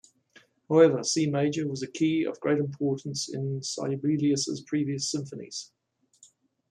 However, C major was a key of great importance in Sibelius's previous symphonies.